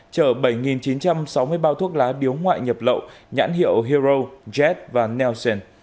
chở bảy chín trăm sáu mươi bao thuốc lá điếu ngoại nhập lậu nhãn hiệu hero jet và nelson